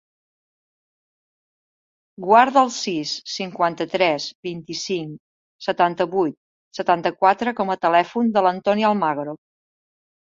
Guarda el sis, cinquanta-tres, vint-i-cinc, setanta-vuit, setanta-quatre com a telèfon de l'Antònia Almagro.